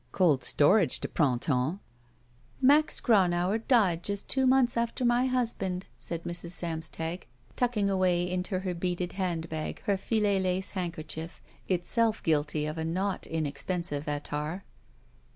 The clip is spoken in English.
Cold storage de printempsr "Max Gronauer died just two months after my husband," said Mrs. Samstag, tucking away into her beaded handbag her filet lace handkercUef , itself guilty of a not inexpensive attar.